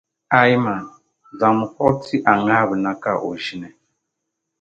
Aiman, zaŋmi kuɣu ti a ŋahiba na ka o ʒini.